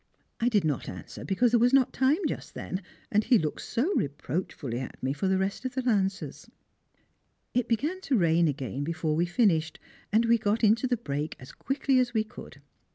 I did not answer because there was not time just then, and he looked so reproachfully at me for the rest of the Lancers. [Sidenote: The Whispered Declaration] It began to rain again before we finished, and we got into the brake as quickly as we could.